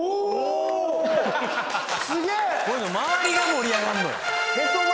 こういうの周りが盛り上がんのよへそ前